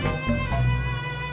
ya saya lagi konsentrasi